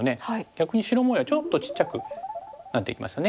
逆に白模様がちょっとちっちゃくなっていきますよね。